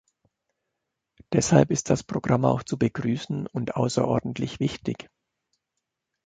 Deshalb ist das Programm auch zu begrüßen und außerordentlich wichtig.